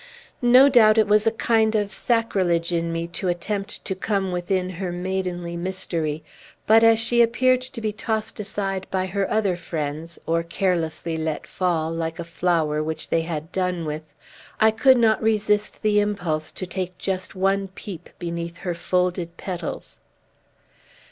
No doubt it was a kind of sacrilege in me to attempt to come within her maidenly mystery; but, as she appeared to be tossed aside by her other friends, or carelessly let fall, like a flower which they had done with, I could not resist the impulse to take just one peep beneath her folded petals.